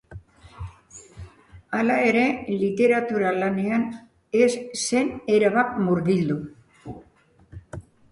Hala ere, literatura lanean ez zen erabat murgildu.